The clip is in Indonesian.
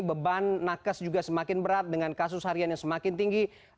beban nakes juga semakin berat dengan kasus harian yang semakin tinggi